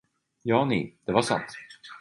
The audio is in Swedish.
Ja ni, det var sant.